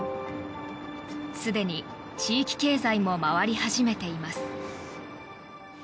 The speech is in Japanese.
すでに地域経済も回り始めています。